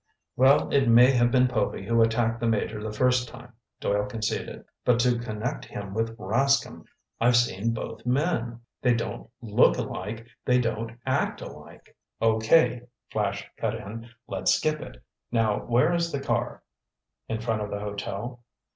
"Well, it may have been Povy who attacked the Major the first time," Doyle conceded. "But to connect him with Rascomb! I've seen both men. They don't look alike, they don't act alike—" "Okay," Flash cut in, "let's skip it. Now where is the car?" "In front of the hotel."